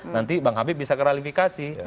nanti bang habib bisa klarifikasi